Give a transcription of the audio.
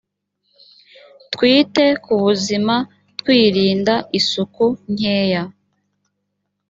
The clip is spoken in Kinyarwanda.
twite ku buzima twirind aisuku nkeya